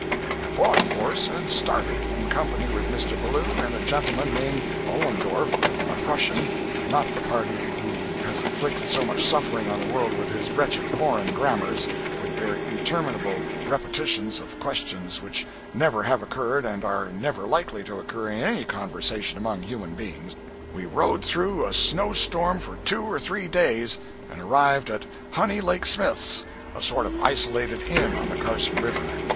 I bought a horse and started, in company with Mr. Ballou and a gentleman named Ollendorff, a Prussian—not the party who has inflicted so much suffering on the world with his wretched foreign grammars, with their interminable repetitions of questions which never have occurred and are never likely to occur in any conversation among human beings. We rode through a snow storm for two or three days, and arrived at "Honey Lake Smith's," a sort of isolated inn on the Carson river.